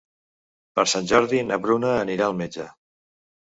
Per Sant Jordi na Bruna anirà al metge.